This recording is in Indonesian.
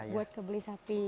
buat kebeli sapi